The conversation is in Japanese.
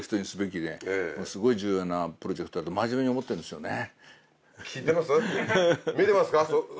すごい重要なプロジェクトだと真面目に思ってるんですよね。